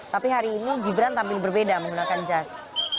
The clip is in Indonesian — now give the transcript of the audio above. tapi hari ini gibran tampil berbeda menggunakan jas